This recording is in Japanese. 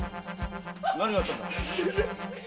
何があったんだ？